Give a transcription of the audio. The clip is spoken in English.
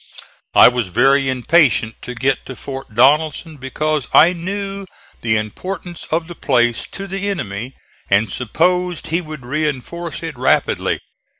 I was very impatient to get to Fort Donelson because I knew the importance of the place to the enemy and supposed he would reinforce it rapidly.